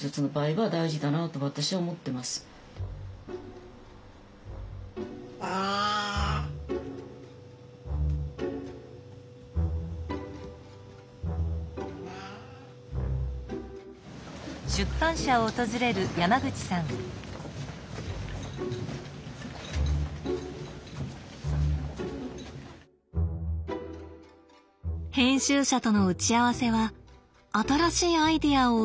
編集者との打ち合わせは新しいアイデアを生み出すチャンス。